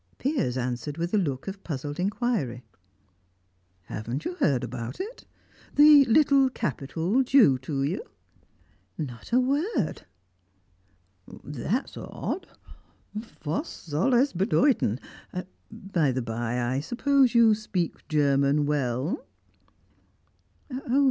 Piers answered with a look of puzzled inquiry. "Haven't you heard about it? The little capital due to you." "Not a word!" "That's odd. Was soil es bedeuten? By the bye, I suppose you speak German well?"